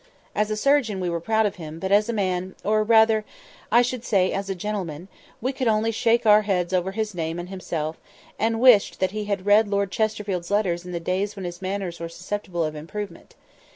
As a surgeon we were proud of him; but as a man—or rather, I should say, as a gentleman—we could only shake our heads over his name and himself, and wished that he had read Lord Chesterfield's Letters in the days when his manners were susceptible of improvement.